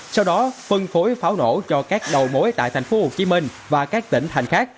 sau đó phân phối pháo nổ cho các đầu mối tại thành phố hồ chí minh và các tỉnh thành khác